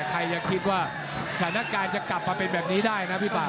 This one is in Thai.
ใครจะคิดว่าสถานการณ์จะกลับมาเป็นแบบนี้ได้นะพี่ป่า